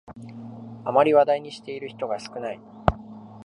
あまり話題にしている人が少ない